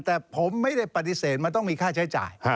แต่ผมไม่ได้ปฏิเสธมันต้องมีค่าใช้จ่าย